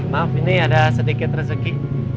maaf ini ada sedikit rezeki